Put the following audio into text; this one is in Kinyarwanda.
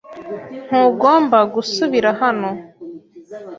Ntugomba gusubira hano.